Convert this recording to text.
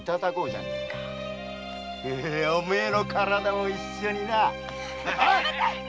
お前の体も一緒にな。